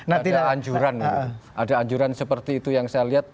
ada anjuran ada anjuran seperti itu yang saya lihat